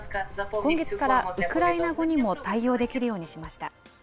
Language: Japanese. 今月から、ウクライナ語にも対応できるようにしました。